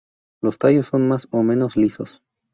Los tallos son más o menos lisos.